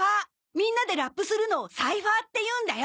みんなでラップするのをサイファーっていうんだよ！